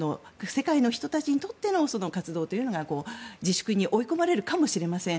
世界の人たちにとっての活動というのが自粛に追い込まれるかもしれません。